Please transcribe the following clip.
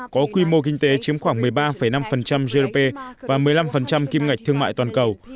có quy mô kinh tế chiếm khoảng một mươi ba năm gdp và một mươi năm kim ngạch thương mại toàn cầu